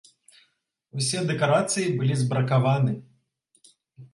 Усе дэкарацыі былі збракаваны.